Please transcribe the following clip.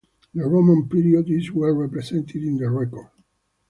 The Roman period is well represented in the record.